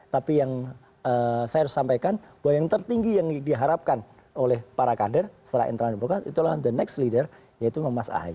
tapi yang saya harus sampaikan bahwa yang tertinggi yang diharapkan oleh para kader setelah internal demokrat itu adalah the next leader yaitu mas ahy